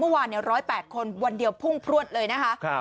เมื่อวาน๑๐๘คนวันเดียวพุ่งพลวดเลยนะคะ